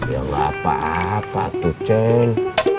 ya enggak apa apa tuh ceng